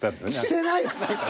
してないです。